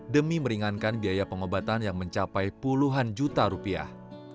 demi meringankan biaya pengobatan yang mencapai puluhan juta rupiah